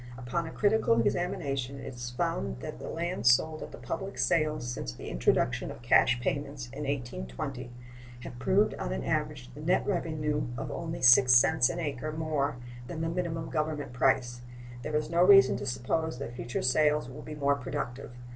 Upon a critical examination it is found that the lands sold at the public sales since the introduction of cash payments, in 1820, have produced on an average the net revenue of only 6 cents an acre more than the minimum Government price. There is no reason to suppose that future sales will be more productive.